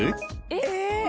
えっ？